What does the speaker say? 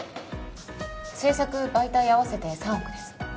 制作媒体合わせて３億です。